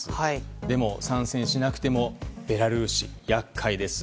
でも参戦しなくてもベラルーシ、厄介です。